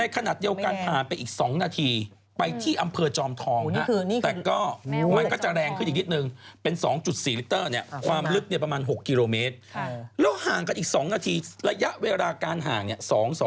ก็ห่างกันอีก๒นาทีระยะเวลาการห่างเนี่ย๒๒๒